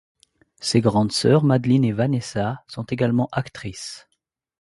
Ses grandes sœurs Madeline et Vanessa sont également actrices.